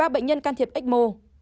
một mươi ba bệnh nhân can thiệp ecmo